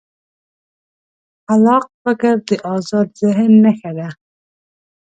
خلاق فکر د ازاد ذهن نښه ده.